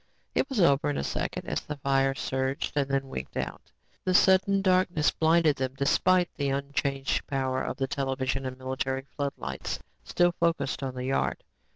It was over in a second as the fire surged and then winked out. The sudden darkness blinded them despite the unchanged power of the television and military floodlights still focused on the yard.